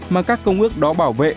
mà các công ước đó bảo vệ